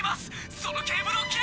そのケーブルを切れば。